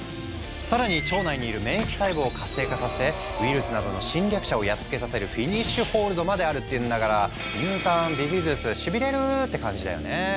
更に腸内にいる免疫細胞を活性化させてウイルスなどの侵略者をやっつけさせるフィニッシュ・ホールドまであるっていうんだから乳酸ビフィズスシビれるう！って感じだよね。